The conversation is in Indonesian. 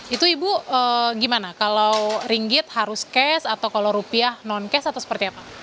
itu ibu gimana kalau ringgit harus cash atau kalau rupiah non cash atau seperti apa